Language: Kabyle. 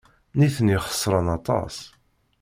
Nitni xeṣren aṭas.